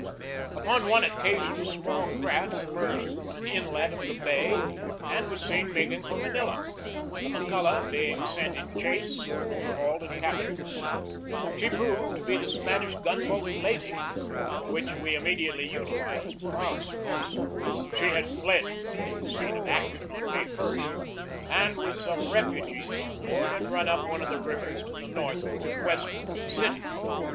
Upon one occasion a small craft emerged from an inlet of the bay and was seen making for Manila. The McCulloch, being sent in chase, soon overhauled and captured her. She proved to be the Spanish gun boat Leyte, which we immediately utilized for our service. She had fled from the scene of action on May i, and with some refugees on board had run up one of the rivers to the northward and westward of the city.